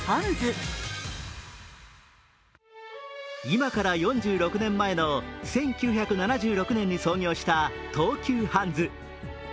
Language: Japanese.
今から４６年前の１９７６年に創業した東急ハンズ。